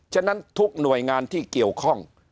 ฉะนั้นทุกหน่วยงานที่เกี่ยวข้อง